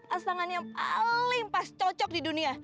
as tangan yang paling pas cocok di dunia